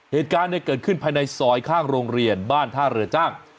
เหตุการณ์เกิดขึ้นภายในซอยข้างโรงเรียนบ้านท่าเรือจ้าง